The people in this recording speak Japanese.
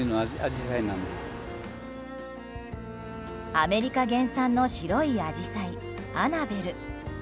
アメリカ原産の白いアジサイアナベル。